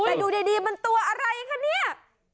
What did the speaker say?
แต่ดูดีมันตัวอะไรคะเนี่ย